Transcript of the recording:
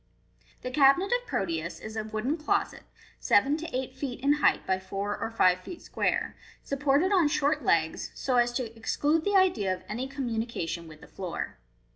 The Cabinet of Proteus is a wooden closet, seven to eight feet in height by four or five feet square, supported on short legs, so as to exclude the idea of any communica tion with the floor.